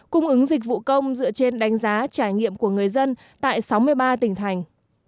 cung ứng dịch vụ công dựa trên đánh giá trải nghiệm của người dân tại sáu mươi ba tỉnh thành